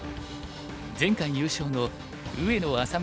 前回優勝の上野愛咲美